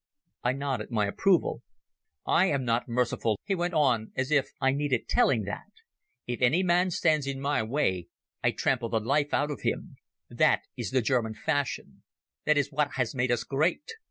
I nodded my approval. "I am not merciful," he went on, as if I needed telling that. "If any man stands in my way I trample the life out of him. That is the German fashion. That is what has made us great.